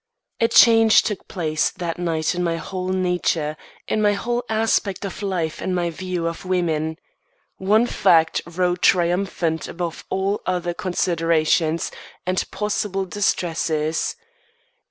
A change took place that night in my whole nature, in my aspect of life and my view of women. One fact rode triumphant above all other considerations and possible distresses.